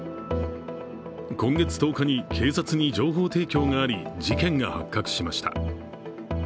今月１０日に警察に情報提供があり事件が発覚しました。